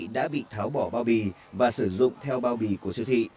đã bị tháo bỏ bao bì và sử dụng theo bao bì của siêu thị